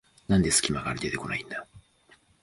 なんですき間から出てこないんだ